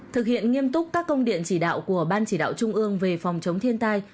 thực hiện nghiêm túc các công điện chỉ đạo của ban chỉ đạo trung ương về phòng chống thiên tai